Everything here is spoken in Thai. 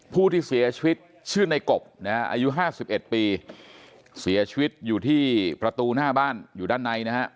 ผู้ที่เสียชีวิตชื่อในกบนะฮะอายุ๕๑ปีเสียชีวิตอยู่ที่ประตูหน้าบ้านอยู่ด้านในนะฮะ